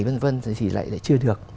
vân vân thì lại chưa được